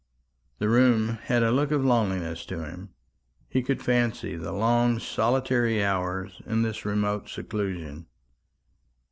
The room had a look of loneliness to him. He could fancy the long solitary hours in this remote seclusion.